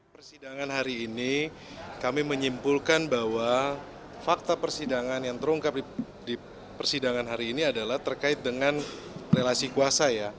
persidangan hari ini kami menyimpulkan bahwa fakta persidangan yang terungkap di persidangan hari ini adalah terkait dengan relasi kuasa ya